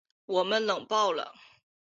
我们冷爆了